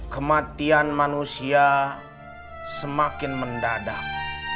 kematian manusia semakin mendadak